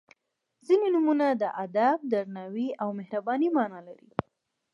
• ځینې نومونه د ادب، درناوي او مهربانۍ معنا لري.